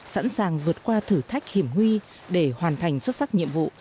sẵn sàng vượt qua thử thách hiểm huy để hoàn thành xuất sắc nhiệm vụ